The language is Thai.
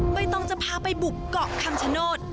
ใบตองจะพาไปบุกเกาะคำชโนธ